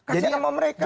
kasian sama mereka